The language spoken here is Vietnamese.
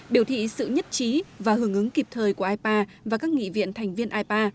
hai nghìn hai mươi biểu thị sự nhất trí và hưởng ứng kịp thời của ipa và các nghị viện thành viên ipa